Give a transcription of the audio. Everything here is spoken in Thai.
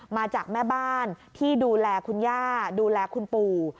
มาจากแม่บ้านที่ดูแลคุณย่าดูแลคุณปู่